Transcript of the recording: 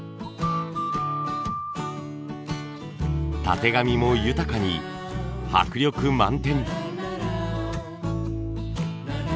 たてがみも豊かに迫力満点。